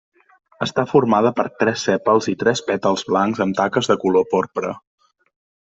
Està formada per tres sèpals i tres pètals blancs amb taques de color porpra.